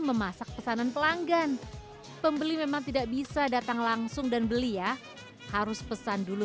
memasak pesanan pelanggan pembeli memang tidak bisa datang langsung dan beli ya harus pesan dulu